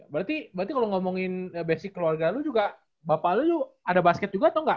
berarti kalo ngomongin basic keluarga lu juga bapak lu ada basket juga atau gak